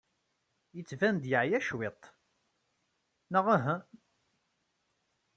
Yettban-d yeɛya cwiṭ, neɣ uhu?